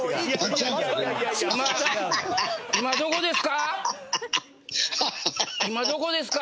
今どこですか？